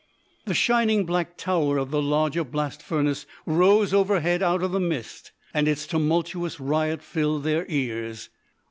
The shining black tower of the larger blast furnace rose overhead out of the mist, and its tumultuous riot filled their ears.